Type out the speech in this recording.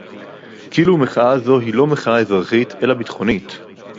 כאילו מחאה זו היא לא מחאה אזרחית אלא ביטחונית